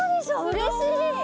うれしい。